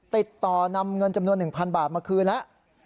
ติดต่อนำเงินจำนวน๑๐๐๐บาทมาคืนแล้ว